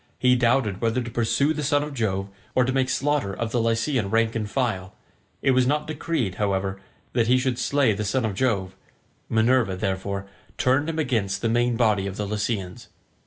He doubted whether to pursue the son of Jove, or to make slaughter of the Lycian rank and file; it was not decreed, however, that he should slay the son of Jove; Minerva, therefore, turned him against the main body of the Lycians.